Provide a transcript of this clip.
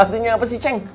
artinya apa sih ceng